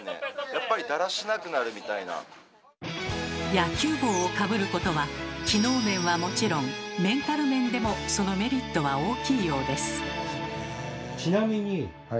野球帽をかぶることは機能面はもちろんメンタル面でもそのメリットは大きいようです。